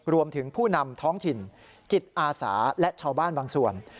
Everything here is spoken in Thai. ผู้นำท้องถิ่นจิตอาสาและชาวบ้านบางส่วน